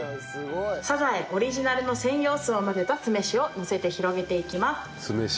サザエオリジナルの専用酢を混ぜた酢飯をのせて広げていきます。